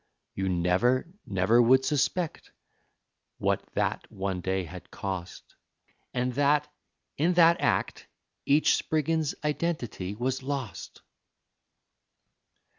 You never, never would suspect what that one day had cost, And that in that act each Spriggins's identity was lost!